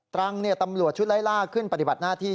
ตรังตำรวจชุดไล่ล่าขึ้นปฏิบัติหน้าที่